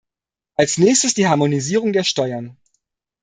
Als nächstes die Harmonisierung der Steuern.